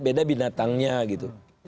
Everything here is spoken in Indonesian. beda binatangnya gitu